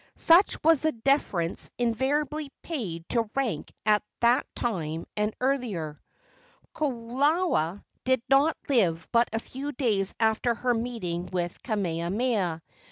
Such was the deference invariably paid to rank at that time and earlier. Kalola did not live but a few days after her meeting with Kamehameha.